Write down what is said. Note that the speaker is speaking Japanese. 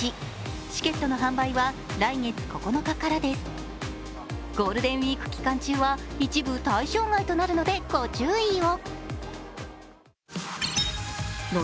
チケットの販売は来月９日からですゴールデンウイーク期間中は一部対象外となるのでご注意を。